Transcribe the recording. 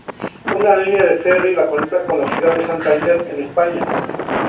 Una línea de ferry la conecta con la ciudad de Santander, en España.